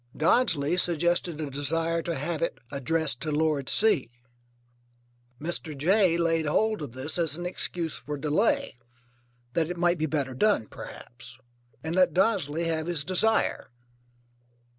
Dodsley suggested a desire to have it addressed to Lord C. Mr. J. laid hold of this as an excuse for delay, that it might be better done perhaps, and let Dodsley have his desire.